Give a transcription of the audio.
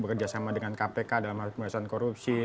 bekerja sama dengan kpk dalam hal pembahasan korupsi